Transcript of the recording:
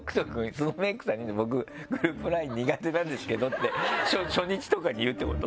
そのメイクさんに「僕グループＬＩＮＥ苦手なんですけど」って初日とかに言うってこと？